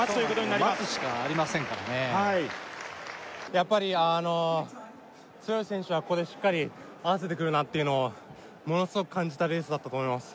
やっぱりあの強い選手はここでしっかり合わせてくるなっていうのをものすごく感じたレースだったと思います